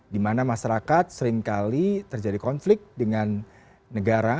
dimana masyarakat seringkali terjadi konflik dengan negara